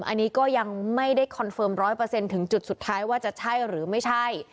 อันนี้ก็ยังไม่ได้คอนเฟิร์มร้อยเปอร์เซ็นต์ถึงจุดสุดท้ายว่าจะใช่หรือไม่ใช่